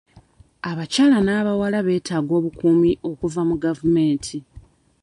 Abakyala n'abawala beetaaga obukuumi okuva mu gavumenti.